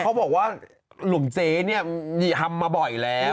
ก็เขาบอกว่าลุงเจ้นี่ทำมาบ่อยแล้ว